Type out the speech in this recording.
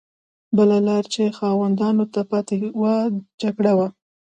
بله لار چې خاوندانو ته پاتې وه جګړه وه.